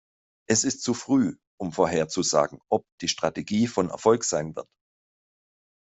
Es ist zu früh, um vorherzusagen, ob die Strategie von Erfolg sein wird.